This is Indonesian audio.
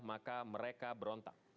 maka mereka berontak